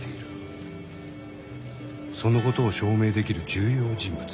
そのことを証明できる重要人物。